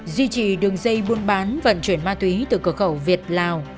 duy trì đường dây buôn bán vận chuyển ma túy từ cửa khẩu việt lào